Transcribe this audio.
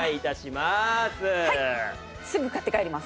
すぐ買って帰ります。